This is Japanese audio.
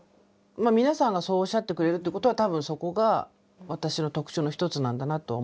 まあ皆さんがそうおっしゃってくれるってことは多分そこが私の特徴の一つなんだなと思ってて。